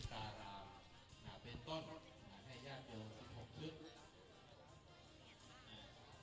ขออนุญาตให้พระเจ้าคุณให้ประชาสตร์สองพันป่อ